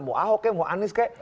mau ahok kek mau anies kek